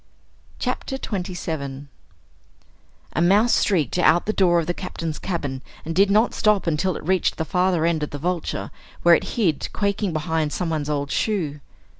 CHAPTER 27 A mouse streaked out the door of the Captain's cabin and did not stop until it reached the farther end of the Vulture, where it hid quaking behind someone's old shoe.